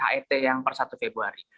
het yang per satu februari